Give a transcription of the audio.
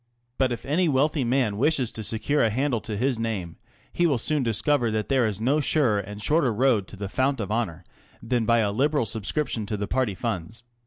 But if any wealthy man wishes to secure a handle to his name, he will soon discover that there is no surer and shorter road to the fount of honour than by a liberal Mr. Hearst and his Son subscription to the party funds.